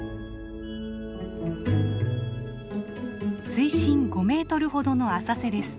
水深５メートルほどの浅瀬です。